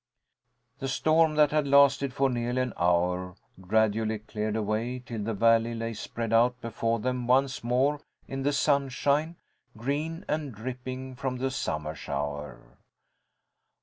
The storm, that had lasted for nearly an hour, gradually cleared away till the valley lay spread out before them once more, in the sunshine, green and dripping from the summer shower.